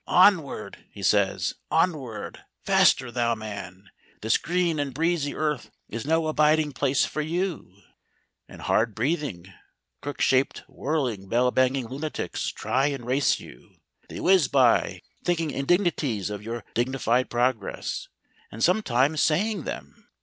'Onward,' he says, 'onward! Faster, thou man! This green and breezy earth is no abiding place for you!' And hard breathing, crook shaped, whirling, bell banging lunatics try and race you. They whiz by, thinking indignities of your dignified progress, and sometimes saying them.